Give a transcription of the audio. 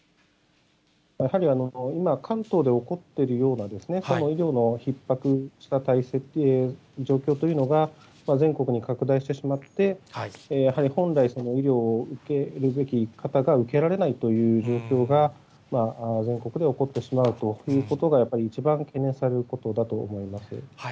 やはり今、関東で起こっているような医療のひっ迫した状況というのが、全国に拡大してしまって、やはり本来、医療を受けるべき方が受けられないという状況が、全国で起こってしまうということが、一番懸念されることだと思います。